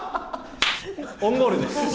オウンゴールです。